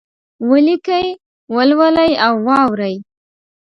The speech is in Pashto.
ولیکئ، ولولئ او واورئ!